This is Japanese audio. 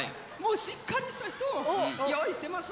しっかりした人を用意してます。